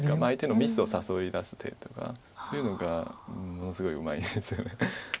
相手のミスを誘い出す手とかそういうのがものすごいうまいですよね。